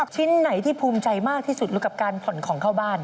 ชิ้นไหนที่ภูมิใจมากที่สุดรู้กับการผ่อนของเข้าบ้าน